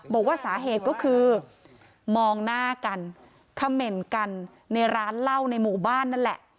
บอกว่าสาเหตุก็คือมองหน้ากันเขม่นกันในร้านเหล้าในหมู่บ้านนั่นแหละ